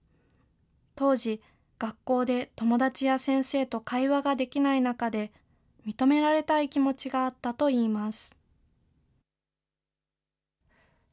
当時、学校で友達や先生と会話ができない中で、認められたい気持ちがあったといいます。